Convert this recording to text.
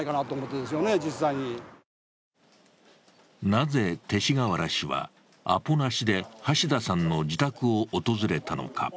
なぜ、勅使河原氏はアポなしで橋田さんの自宅を訪れたのか。